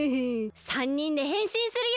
３にんでへんしんするよ！